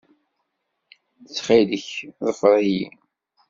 Ttxil-k, ḍfer-iyi.